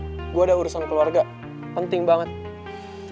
saya ada urusan keluarga penting sekali